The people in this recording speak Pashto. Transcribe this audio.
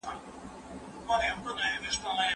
د شیکسپیر لاسلیک په دقت سره وکتل سو.